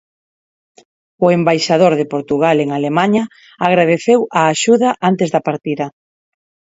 O embaixador de Portugal en Alemaña agradeceu a axuda antes da partida.